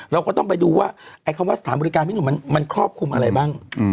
เราก็ต้องไปดูว่าไอ้คำว่าสถานบริการพี่หนุ่มมันครอบคลุมอะไรบ้าง